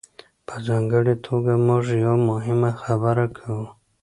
په ځانګړې توګه موږ یوه مهمه خبره کوو.